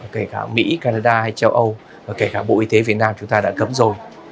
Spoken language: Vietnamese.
kể cả mỹ canada hay châu âu và kể cả bộ y tế việt nam chúng ta đã cấm rồi